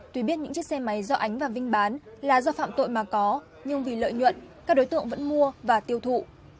tuy biết những chiếc xe máy do ánh và vinh bán là do phạm tội mà có nhưng vì lợi nhuận các đối tượng vẫn mua và tiêu thụ